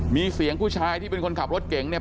มีเสียงผู้ชายที่เป็นคนขับรถเก่งเนี่ย